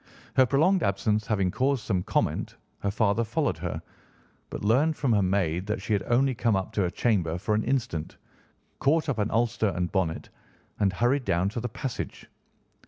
Her prolonged absence having caused some comment, her father followed her, but learned from her maid that she had only come up to her chamber for an instant, caught up an ulster and bonnet, and hurried down to the passage.